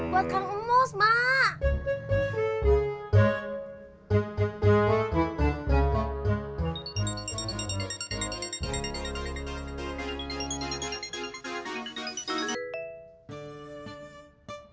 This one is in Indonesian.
buatkan emos mak